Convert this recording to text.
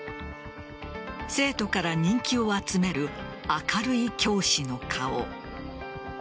生徒から人気を集める明るい教師の顔。